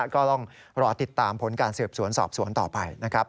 ก็ต้องรอติดตามผลการสืบสวนสอบสวนต่อไปนะครับ